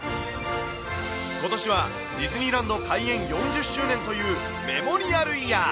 ことしはディズニーランド開園４０周年というメモリアルイヤー。